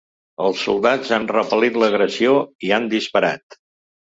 Els soldats han repel·lit l’agressió i han disparat.